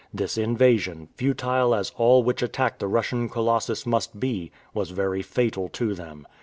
This invasion, futile as all which attack the Russian Colossus must be, was very fatal to them.